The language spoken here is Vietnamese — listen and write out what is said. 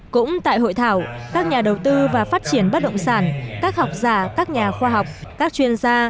cũng tại hội thảo các nhà đầu tư và phát triển bất động sản các học giả các nhà khoa học các chuyên gia